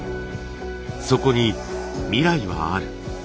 そこに未来はある。